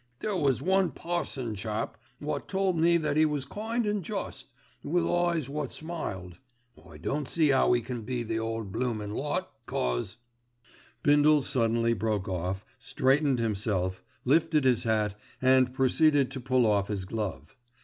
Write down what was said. There was one parson chap wot told me that 'E was kind an' just, with eyes wot smiled. I don't see 'ow 'e can be the ole bloomin' lot cause——" Bindle suddenly broke off, straightened himself, lifted his hat and proceeded to pull off his glove.